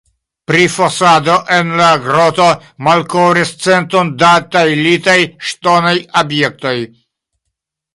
Prifosado en la groto malkovris centon da tajlitaj ŝtonaj objektoj.